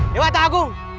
dewa tak agung